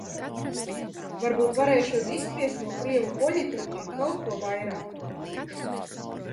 "Varbūt varēšot "izspiest" no krievu poļitrukiem kaut ko vairāk."